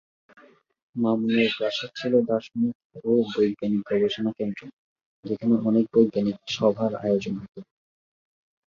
মামুনের প্রাসাদ ছিল দার্শনিক ও বৈজ্ঞানিক গবেষণার কেন্দ্র যেখানে অনেক বৈজ্ঞানিক সভার আয়োজন হত।